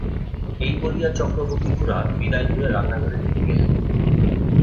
এই বলিয়া চক্রবর্তী-খুড়া বিদায় হইয়া রান্নাঘরের দিকে গেলেন।